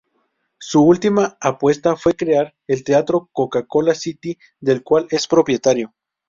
Su última apuesta fue crear el Teatro Coca Cola City del cual es propietario.